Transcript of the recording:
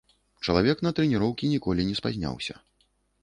Чалавек на трэніроўкі ніколі не спазняўся.